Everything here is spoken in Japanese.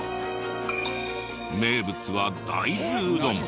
名物は大豆うどん。